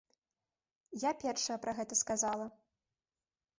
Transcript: Я першая пра гэта сказала.